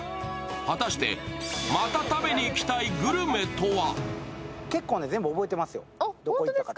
果たして、また食べに行きたいグルメとは？